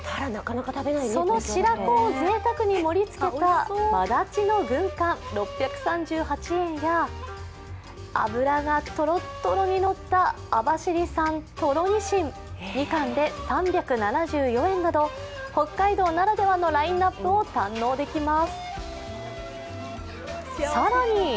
その白子をぜいたくに盛り付けた真だちの軍艦６３８円や脂がとろっとろにのった網走産とろにしん、２貫で３７４円など北海道ならではのラインナップを堪能できます。